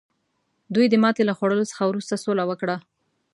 دوی د ماتې له خوړلو څخه وروسته سوله وکړه.